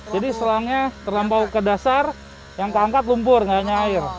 jadi selangnya terlampau ke dasar yang terangkat lumpur nggak nyair